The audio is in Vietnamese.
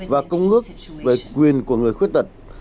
và công ước về quyền của người khuyết tật